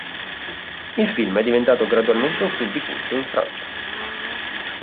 Il film è diventato gradualmente un film di culto in Francia.